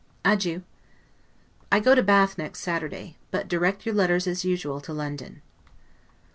Adieu. I go to Bath next Saturday; but direct your letters, as usual, to London.